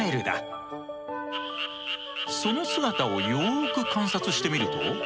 その姿をよく観察してみると。